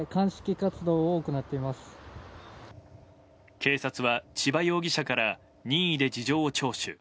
警察は、千葉容疑者から任意で事情を聴取。